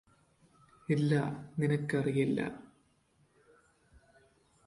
ഇല്ല നിനക്കറിയില്ല